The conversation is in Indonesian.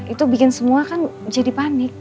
itu bikin semua kan jadi panik